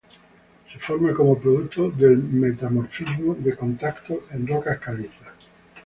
Se forma como producto del metamorfismo de contacto en rocas calizas.